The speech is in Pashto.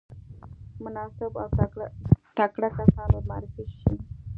مناسب او تکړه کسان ورمعرفي شي.